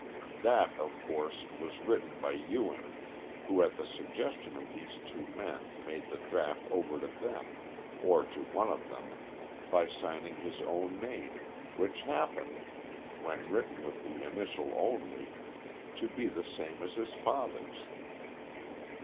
That, of course, was written by Ewing, who at the suggestion of these two men made the draft over to them or to one of them by signing his own name, which happened, when written with the initial only, to be the same as his father's.